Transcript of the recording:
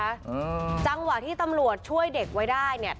อืมจังหวะที่ตำรวจช่วยเด็กไว้ได้เนี้ย